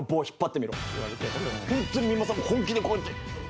本当に三間さんも本気でこうやって。